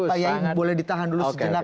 pak kiai boleh ditahan dulu sejenak